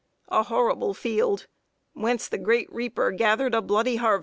A horrible field, whence the Great Reaper gathered a bloody harvest!